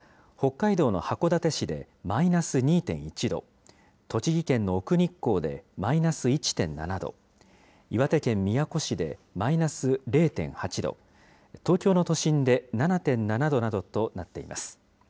またけさにかけては、各地で冷え込み、午前６時までの最低気温は、北海道の函館市でマイナス２．１度、栃木県の奥日光でマイナス１．７度、岩手県宮古市でマイナス０．８度、東京の都心で７．７度などとなっています。